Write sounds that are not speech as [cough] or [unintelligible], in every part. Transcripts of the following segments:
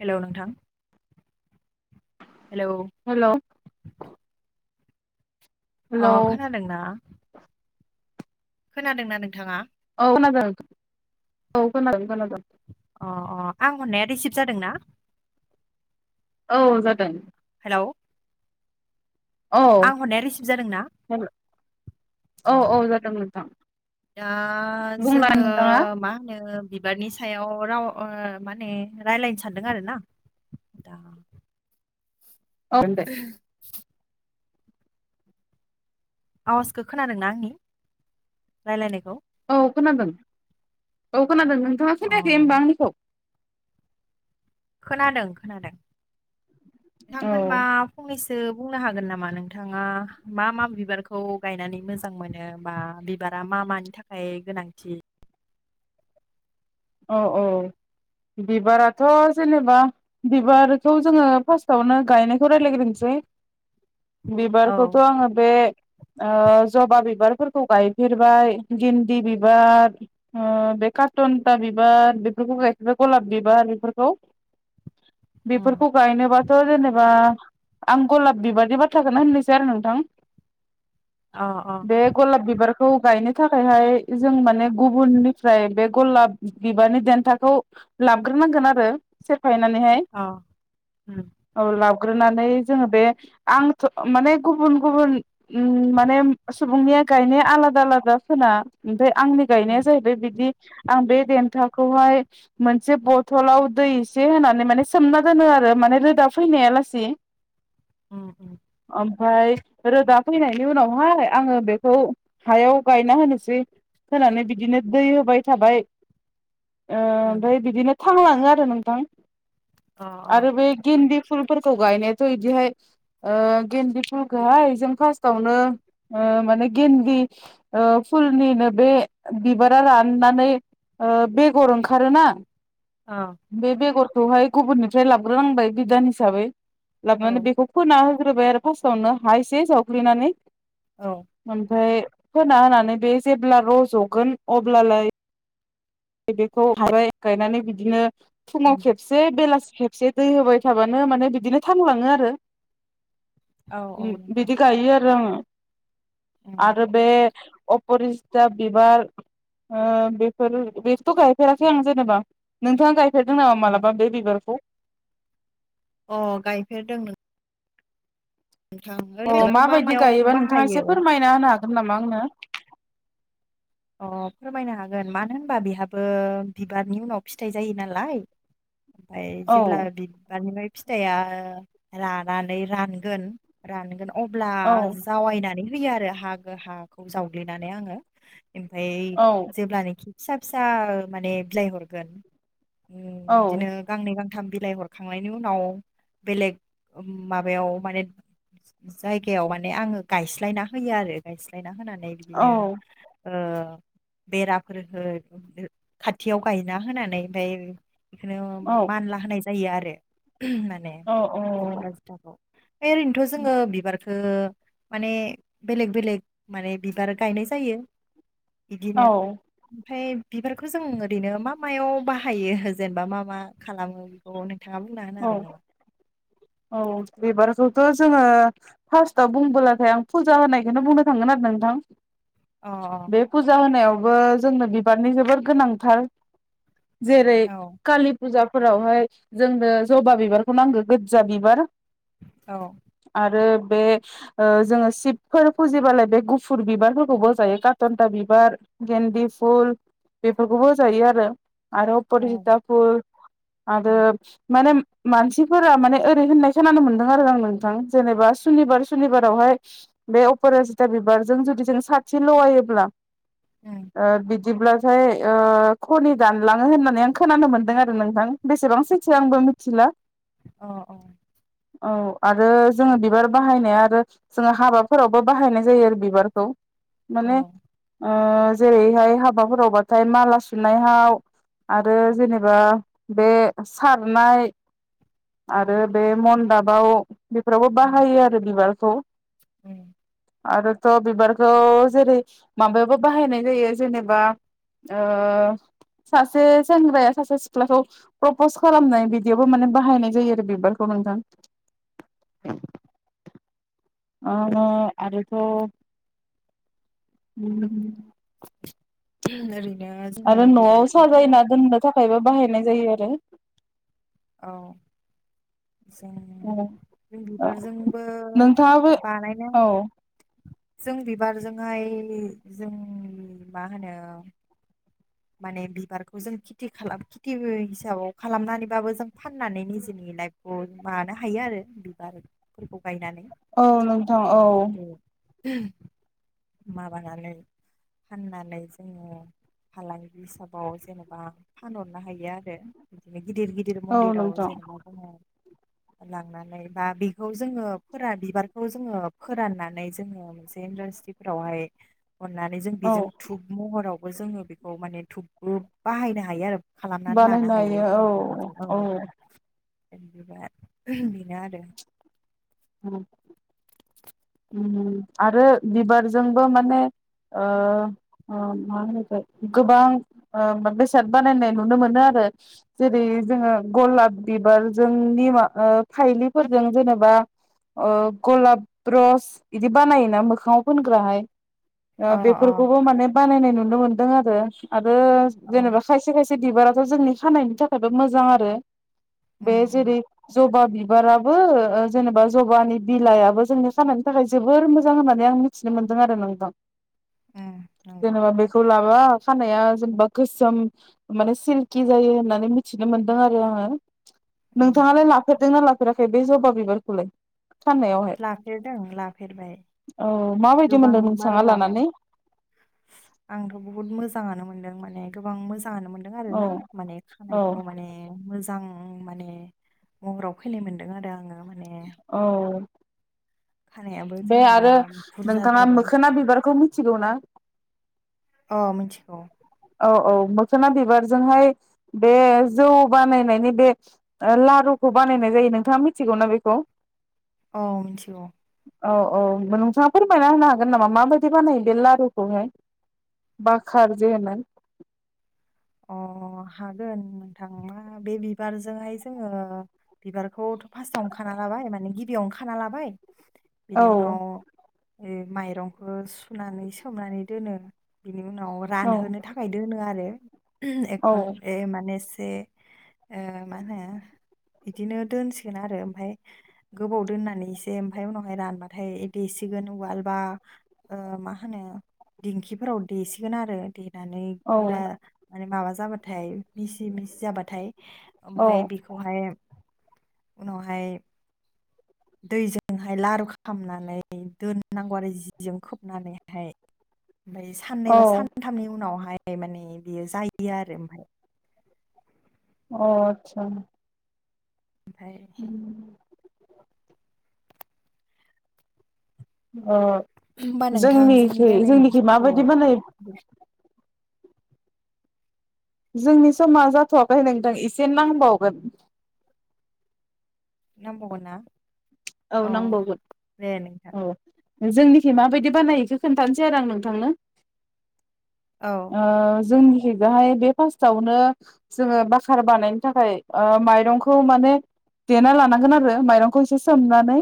Hello नोंथां hello hello अ hello खोनादोंना? खोनादोंना नोंथाङा? औ खोनादों औ खोनादों खोनादों। अ अ आं हरनाया रिसिभ जादोंना? औ जादों। औ औ आं हरनाया रिसिभ जादों ना? औ अ औ जादों नोंथां दा बुंला जोङो नोंथाङा मा होनो बिबारनि सायाव राव ओ माने रायलायनो सानदों आरो ना। दा औ दे आवाजखौ खोनादोंना आंनि राय्लायनायखौ? औ खोनादों औ खोनादों नोंथाङा अ खोनायाखै होनबा आंनिखौ? खोनादों खोनादों औ नोंथांमोनबा फंनैसो बुंनो हागोन नामा नोंथाङा मा मा बिबारखौ गायनानै मोजां मोनो बा बिबार मा मानि थाखाय गोनांथि। औ औ बिबाराथ' जेनेबा बिबारखौ जोङो फार्स्टावनो गायनायखौ रायज्लायग्रोनोसै। [inaudible] औ बिबारखौथ' आङो बे ओ जबा बिबारफोरखौ गायफेरबाय गिन्दि बिबार बे कार्टुन था बिबार बेफोरखौ गायखेरबाय गलाब बिबार बेफोरखौ उम बेफोरखौ गायनोबा थ' जेनेबा आं गलाब बिबारनि बाथ्राखौनो होननोसै आरो नोंथां। अ अ बे गलाब बिबार खौ गायनो थाखायहाय जों माने गुबुननिफ्राय बे गलाब बिबारनि देन्थाखौ लाबग्रोनांगोन आरो फायनानैहाय अ उम औ लाब ग्रोनानै जोङो बे आं थ' माने गुबुन गुबुन उ माने सुबुंनि गायनाया आलादा आलादा खोना ओमफ्राय आंनि गायनाया उम जाहैबाय बिदि आं बे देन्थाखौहाय मोनसे बथलाव दै इसे होनानै माने सोमना दोनो आरो माने रोदा फैनाया लासे उम उम ओमफ्राय रोदा फैनायनि उनावहाय आङो बेखौ हायाव गायना होनोसै। होनानै बिदिनो दै होबाय थाबाय। ओ उम ओमफ्राय बिदिनो थांलाङो आरो नोंथां अ अ आरो बे गेन्दि फुलफोरखौ गायनायाथ' इदिहाय ओ गेन्दि फुलखौहाय जों फार्स्टावनो ओ ओ माने गेन्दलि फुलनिनो बे बिबारा राननानै ओ बेगर ओंखारोना अ बे बेगरखौहाय गुबुननिफ्राय लाबग्रोनांबाय बिदान हिसाबै लाबोनानै औ बेखौ फोना हग्रोबाय आरो फास्स्टावनो हा एसे जावग्लिनानै, औ ओमफ्राय फोना होनानै बे जेब्ला रज'गोन अब्लालाय बेखौ हाबाय गायनानै बिदिनो फुङाव उम खेबसे बेलासि खेबसे दै होबाय थाबानो माने बिदिनो थांलाङो आरो। औ औ बि नोंथां बिदि गायो आरो आङो। उम आरो बे अपरिजिता बिबार ओ बेफोर बेथ' गायफेराखै आं जेनेबा नोंथाङा गायफेरदों नामा औ मालाबा बे बिबारखौ? अ गायफेरदों नों अ मा माबायदि मायाव गायोबा नोंथाङा बाहायो एसे फोरमायना होनो हागोन नामा आंनो? अ फोरमायनो हागोन मानो होनबा बेहाबो बिबारनि उनाव फिथाइ जायो नालाय। ओमफ्राय औ जेब्ला बिबारनिफ्राय फिथाइया रानानै रानगोन रानगोन अब्ला औ जावायनानै। फोयोआरो हागो हाखौ जावग्लिनानै आङो इमफाय औ जेब्लानोखि। फिसा फिसा माने बिलाइ हरगोन औ उम इदिनो गांनै गां थाम बिलाइ हरखांनायनि उनाव बेलेग उम माबायाव माने। ज जायगायाव माने आङो गायस्लायना होयोआरो गायस्लायना होनानै बिदिनो। औ ओह बेराफोर हो खाथियाव गायना होनानै ओमफाय। इखोनो मानला होनाय जायोआरो ओम माने औ अफराजिथाखौ। है ओरैनोथजोङो बिबार। खो माने बेलेग बेलेग माने बिबार गायनायजायो। इदिनो औ ओमफाय। बिबारखोजों ओरैनो मा मायाव बाहायो जेनेबा मा मा खालामो बेखौनो। थाङा बुंनाहोनो औ हागोन नामा? औ बिबारखौथ जोङो फासताव बुंबोलाथाय आं फुजा होनायखौनो बुंनो थांगोन आरोना। नोंथां। अ बे फुजा होनायावबो जोंनो बिबारनि जोबोर गोनांथार। जेरै अ औ कालि फुजाफोरावहाय जोंनो जबा बिबारखौ नांगो गोदजा बिबार। औ आरो। बे ओह जोङो शिबफोर फुजिबालाय बे गुफुर बिबारफोरखौबो होजायो कातन्ता बिबार। गेन्दि फुल बेफोरखौबो होजायोआरो। आरो औ अपरजिता फुल आरो उम माने मानसिफोरा माने। ओरै होननाय खोनानोमोन्दों आरोआं नोंथां जेनेबा सुनिबार सुनिबारावहाय बे अपाराजिता बिब बिबारजों जुदि जों साथि लगायोब्ला उम ओह बि बिदिब्लाथाय ओह खनि दानलाङो होननानैआं खोनानो मोनदोंआरो नोंथां बेसेबां सैथो आंबो मिथिला अ औ। औ आरो जोङो बिबार बाहायनाया औआरो जोङो हाबाफोरावबो बाहायनाय जायो आरो बिबारखौ। अ माने औ ओ जेरैहाय हाबाफोरावबाथाय माला सुनायहाव आरो जेनेबा बे सारनाय आरो उम बे मन्दाबाव बेफोरावबो उम बाहायो आरो बिबारखौ। उम आरो थ' बिबारखौ जेरै माबायावबो बाहायनाय जायो जेनेबा ओ [unintelligible] सासे सेंग्राया सासे सिख्लाखौ प्रपस खालामनाय बिदियावबो माने बाहायनाय जायो। बे बिबारखौ नोंथां। अ अ आरोथ' उम [unintelligible] आरो न'आव बिबारखौथ' औ साजायना दोननो थाखायबो बाहायनाय जायो आरो। औ। सेन बे बिबारजोंबो नोंथाङाबो बानायदों। औ जों बिबारजोंहाय जों माहोनो माने बिबारखौजों खिति खालाम खिति हो हिसाबाव खालामनानैबाबो जों फाननानै निजिनि लाइपखौ मानो हायो आरो बिबारफोरखौ गायनानै औ नोंथां औ। जेरै [unintelligible] माबानानै फाननानै जोङो फालांगि हिसाबाव जेनेबा फानहरनो हायो आरो बिदिनो गिदिर गिदिर औ मन्दिराव नोंथां जेनबा जोङो लांनानै बा बेखौ जोङो फोरा बिबारखौ जोङो फोराननानै जोङो मोनसे इद्रासथ्रि फोरावहाय अननानै जों औ बिजों धुब महरावबो जोङो बेखौ माने धुबबो बाहायनो हायो आरो। खालामनानै लानो बानायनो हायो औ औ। [unintelligible] बिनो आरो [unintelligible] आरो बिबारजोंबो माने ओ ओ मा होनो इखो गोबां ओ बा बेसाद बानायनाय नुनो मोनो आर रो जेरै जोङो गलाब बिबारजों निमा ओ फाइलिफोरजों जेनेबा ओ गलाब रस इदि बानायोना मोखाङाव फोनग्राहाय अ ओ अ बेफोरखौबो माने बानायनाय नुनो मोनदों आरो आरो औ जेनेबा खायसे खायस से बिबाराथ' जोंनि खानायनि थाखायबो मोजां आरो उम बे उम जेरै जबा बिबाराबो ओ ओ ज जेनेबा जबानि बिलाइआबो जोंनि खानाइनि थाखाय जोबोर मोजां होननानै आं मिथिनो मोनदों आरो नोंथां। उम नंगौ जेनेबा बेखौ लाब बा खानाया जेनेबा गोसोम माने सिल्कि जायो होननानै मिथिनो मोनदों आरो आङो। उम नोंथाङालाय लाफेरदों ना लाफेराखै बे जबा बिबारखौलाय खानायावहाय लाफेरदों लाफेरबाय औ माबायदि गोबां मोनदों बार नोंथाङा लाबाय लानानै आंथ' बहुद मोजाङानो मोनदों माने गोबां मोजाङानो मोनदों आरो औ ना माने औ खानायखौ माने मोजां [unintelligible] माने महराव फैनाय मोन्दों आरो आङो मा औ खानायाबो बे जेनेबा आरो बुरजा नोंथाङा जादों मोखोना बिबारखौ मिनथिगौ ना अ मिनथिगौ औ औ मोखोना बिबारजोंहाय बे जौ बानायनायनि बे ओ लारु खौ बानायनाय जायो नोंथाङा मिनथिगौना बेखौ औ मिनथिगौ औ औ नोंथाङा फोरमायना होनो हागोन नामा माबायदि बानायो बे लारुखौहाय बाखार जेनो अ अ अ हागोन नोंथां मा बे बिबारजोंहाय जोङो बिबारखौथ' फार्स्टावनो खाना लाबाय माने गिबियावनो खाना लाबाय बिनि औ उनाव ए माइरंखौ सुनानै सोमनानै दोनो। बेनि उनाव औ रानहोनो थाखाय दोनो आरो। औ एकन ए माने से ओ माहोनो बिदिनो दोनसिगोन आरो ओमफाय गोबाव दोननानै एसे ओमफाय उनावहाय रानबाथाय देस सिगोन उवालबा ओ माहोनो दिंखिफोराव देसिगोन आरो। देनानै गुरा औ माने माबा जाबाथाय मिसि मिसि जाबाथाय औ ओमफाय बेखौहाय उनावहाय दैजोंहाय लारु खालामनानै दोननांगौ आरो जिजों खोबनानैहाय। ओमफाय साननै औ बा सानथामनि उनावहाय माने बेयो जायो आरो ओमफाय। अ आतसा। ओमफाय अ होमबा नोंथां जोंनि जोंनिखै रायलायनायनि जोंनिखै समखौ माबायदि बानायो जोंनि समा जाथ'वाखै नोंथां एसे नांबावगोन। नांबावगोनना? औ नांबावगोन औ जोंनिखि माबायदि बानायो इखौ खोन्थानोसै आरो आं नोंथांनो। औ ओ जोंनि जिगोहाय बे फार्स्टावनो जोङो बाखार बानायनो थाखाय माइरंखौ माने देना लानांगोन आरो माइरंखौ एसे सोमनानै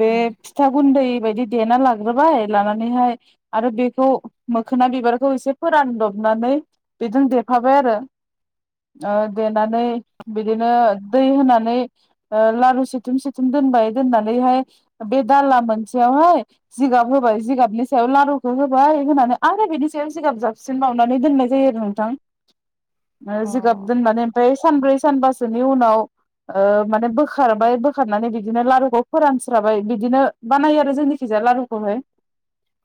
बे अ फिथा गुन्दै बायदि देना लाग्रोबाय लानानैहाय आरो बेखौ मोखोना बिबारखौ एसे फोरानदब नानै बेजों देफाबाय आरो। ओ देनानै बिदिनो दै होनानै ओ लारु सि सिथुम सिथुम दोनबाय दोननानैहाय बे दाला मोनसेयावहाय जिगाब होबाय जिगाबनि सायाव लारुखौ होबाय होनानै आरो बिदि सायाव सिगाब जाबसिन बावनानै दोननाय जायो आरो नोंथां। [inaudible] ओ जिगाब अ दोनानै ओमफाय सानब्रै सानबासोनि उनाव ओ माने बोखारबाय बोख खारनानै बिदिनो लारुखौ फोरानस्राबाय बिदिनो बानायो आरो जोंनिथिंजाय लारुखौहाय।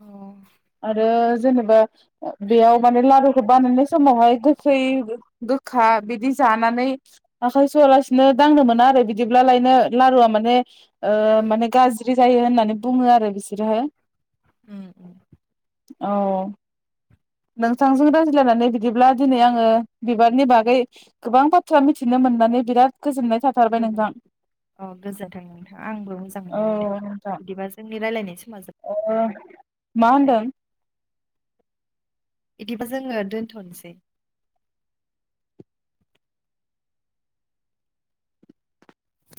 उम आरो जेनेबा बेयाव माने लारुखौ बानायनाय समावहाय गोखै गोखा बिदि जानानै आखाय सुवालासिनो दांनो मोना आरो बिदिब्लालायनो लारुआ माने ओ माने गाज्रि जायो होननानै बुङो आरो बिसोरो। उम उम औ नोंथांजों रायजलायनानै बिदिब्ला दिनै आङो बिबारनि बागै गोबां बाथ्रा मिथिनो नो मोननानै बिराद गोजोननाय थाथारबाय नोंथां। औ गोजोन्थों नोंथां आंबो मोजां औ मोनबाय दे नोंथां बिदिबा जोंनि रायजलायनाय समा जोब ओ मा होनदों? बिदिबा जोङो दोनथनसै।